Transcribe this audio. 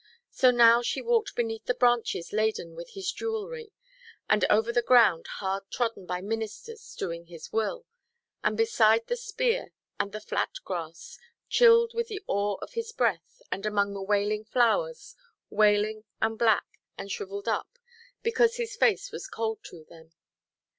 So now she walked beneath the branches laden with His jewellery, and over the ground hard–trodden by ministers doing His will, and beside the spear and the flat–grass, chilled with the awe of His breath, and among the wailing flowers, wailing and black and shrivelled up, because His face was cold to them.